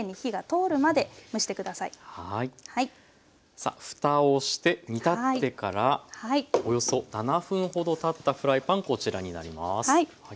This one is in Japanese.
さあふたをして煮立ってからおよそ７分ほどたったフライパンこちらになります。